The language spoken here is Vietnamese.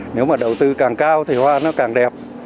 nếu mà đầu tư càng cao thì hoa nó càng đẹp